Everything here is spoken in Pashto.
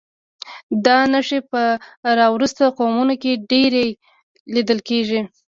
دا نښې په راوروسته قومونو کې ډېرې لیدل کېږي.